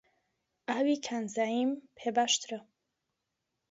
ئاوی کانزاییم پێ باشترە.